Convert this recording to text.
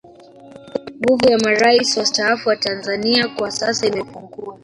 nguvu ya marais wastaafu tanzania kwa sasa imepungua